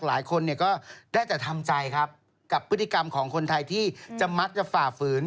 หลายคนเนี่ยก็ได้แต่ทำใจครับกับพฤติกรรมของคนไทยที่จะมักจะฝ่าฝืน